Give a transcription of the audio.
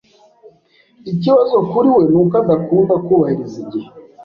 Ikibazo kuri we nuko adakunda kubahiriza igihe.